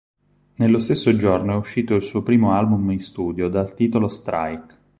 Nello stesso giorno è uscito il suo primo album in studio dal titolo "Strike".